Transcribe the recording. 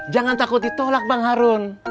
jangan takut ditolak bang harun